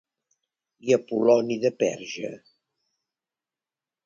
I Apol·loni de Perge?